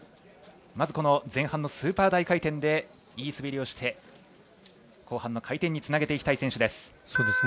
まず、前半のスーパー大回転でいい滑りをして後半の回転につなげていきたい選手です。